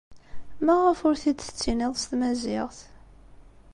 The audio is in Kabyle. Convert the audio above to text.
Maɣef ur t-id-tettiniḍ s tmaziɣt?